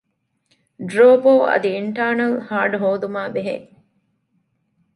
ޑްރޯބޯ އަދި އިންޓާރނަލް ހާޑް ހޯދުމާބެހޭ